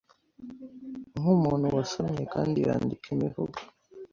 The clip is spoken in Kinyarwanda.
Nkumuntu wasomye kandi yandika imivugo